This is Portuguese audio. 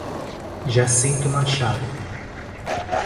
Jacinto Machado